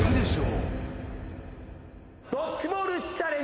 ドッジボールチャレンジスタート。